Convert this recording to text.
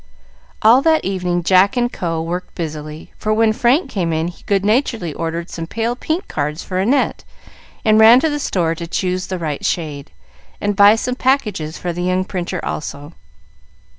All that evening Jack & Co. worked busily, for when Frank came in he good naturedly ordered some pale pink cards for Annette, and ran to the store to choose the right shade, and buy some packages for the young printer also.